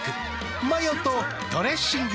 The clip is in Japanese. マヨとドレッシングで。